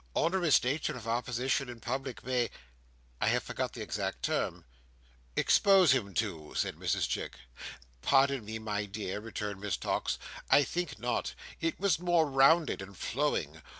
"Onerous nature of our position in public may—I have forgotten the exact term." "Expose him to," said Mrs Chick. "Pardon me, my dear," returned Miss Tox, "I think not. It was more rounded and flowing.